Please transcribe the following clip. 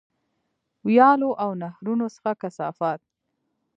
ویالو او نهرونو څخه کثافات.